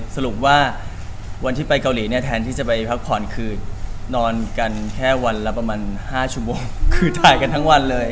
สรุปว่าวันที่ไปเกาหลีเนี่ยแทนที่จะไปพักผ่อนคือนอนกันแค่วันละประมาณ๕ชั่วโมงคือถ่ายกันทั้งวันเลย